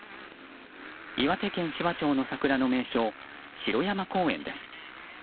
岩手県紫波町の桜の名所、城山公園です。